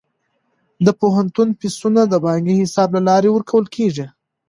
د پوهنتون فیسونه د بانکي حساب له لارې ورکول کیږي.